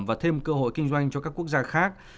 và thêm cơ hội kinh doanh cho các quốc gia khác